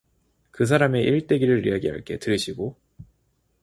그 사람의 일대기를 이야기할게 들으시고